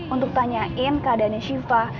untuk tanyain keadaannya syifa